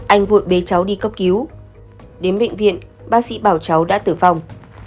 anh vội bế cháu đi cấp cứu đến bệnh viện bác sĩ bảo cháu đã tử vong